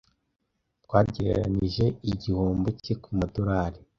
Twagereranije igihombo cye kumadorari